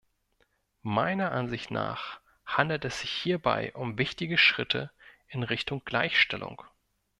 Meiner Ansicht nach handelt es sich hierbei um wichtige Schritte in Richtung Gleichstellung.